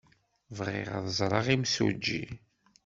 Bɣiɣ ad ẓreɣ imsujji.